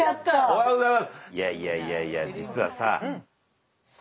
はい。